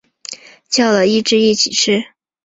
叫了一只一起吃